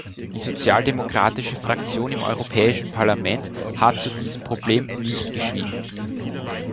Die Sozialdemokratische Fraktion im Europäischen Parlament hat zu diesem Problem nicht geschwiegen.